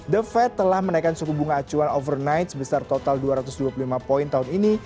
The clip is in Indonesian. the fed telah menaikkan suku bunga acuan overnight sebesar total dua ratus dua puluh lima poin tahun ini